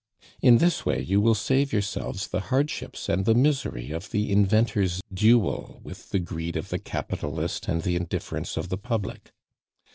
In this way you will save yourselves the hardships and the misery of the inventor's duel with the greed of the capitalist and the indifference of the public.